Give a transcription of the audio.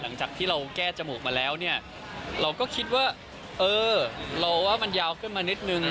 หลังจากที่เราแก้จมูกมาแล้วเนี่ยเราก็คิดว่าเออรอว่ามันยาวขึ้นมานิดนึง